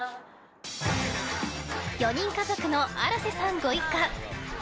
４人家族の荒瀬さんご一家。